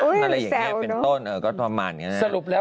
อุ๊ยแซวเนอะสรุปแล้วคืออะไรอย่างนี้เป็นต้นเออก็ตรงนี้นะ